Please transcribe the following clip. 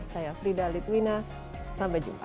saya frida litwina sampai jumpa